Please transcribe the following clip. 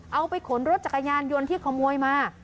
เอาไปขนรถจักรยานยนต์ที่ขโมยมา